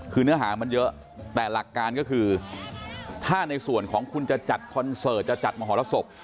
คือเนื้อหามันเยอะแต่หลักการก็คือถ้าในส่วนของคุณจะจัดคอนเสิร์ตจะจัดมหรสบ